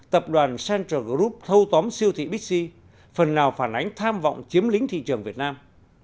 tập đoàn central group thâu tóm siêu thị bixi phần nào phản ánh tham vọng chiếm lính thị trường việt nam